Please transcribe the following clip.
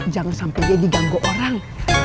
jangan sampai dia diganggu orang